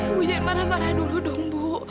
ibu jangan marah marah dulu dong bu